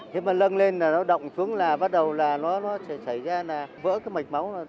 thế mà lưng lên là nó động xuống là bắt đầu là nó sẽ xảy ra là vỡ cái mạch máu